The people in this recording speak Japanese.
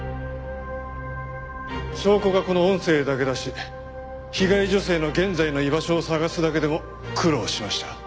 証拠がこの音声だけだし被害女性の現在の居場所を捜すだけでも苦労しました。